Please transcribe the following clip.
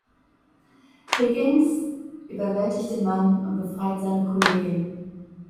Higgins überwältigt den Mann und befreit seine Kollegin.